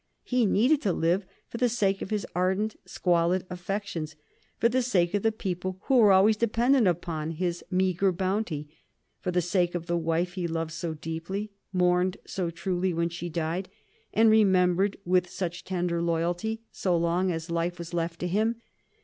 He needed to live for the sake of his ardent squalid affections, for the sake of the people who were always dependent upon his meagre bounty, for the sake of the wife he loved so deeply, mourned so truly when she died, and remembered with such tender loyalty so long as life was left to him.